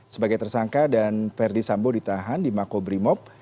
sebagai tersangka dan verdi sambo ditahan di mako brimob